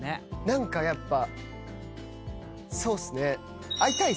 何かやっぱそうっすね。